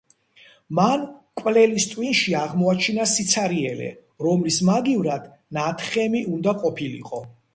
მან მკვლელის ტვინში აღმოაჩინა სიცარიელე, რომლის მაგივრადაც ნათხემი უნდა ყოფილიყო.